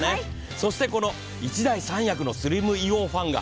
そしてこの１台３役のスリムイオンファンが、